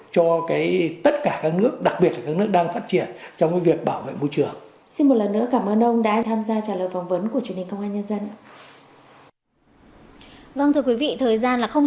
cho tất cả các nước đặc biệt là các nước đang phát triển trong việc bảo vệ môi trường